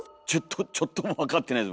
ちょっとも分かってないです